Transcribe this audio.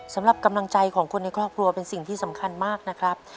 สำหรับกำลังใจของคนในครอบครัวเป็นสิ่งที่สำคัญมากนะครับ